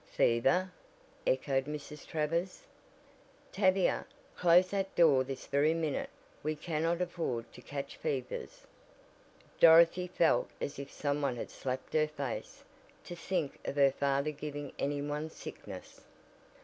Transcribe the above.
"Fever?" echoed Mrs. Travers. "Tavia, close that door this very minute! We cannot afford to catch fevers." Dorothy felt as if some one had slapped her face. To think of her father giving any one sickness!